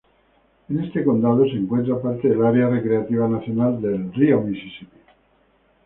En este condado se encuentra parte del área recreativa nacional del "río Mississippi".